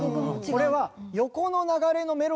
これは。